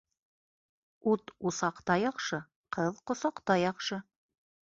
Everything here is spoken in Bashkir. Ут усаҡта яҡшы, ҡыҙ ҡосаҡта яҡшы.